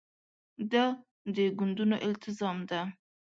دا د ګوندونو التزام ده.